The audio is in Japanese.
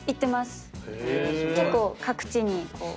結構各地にこう。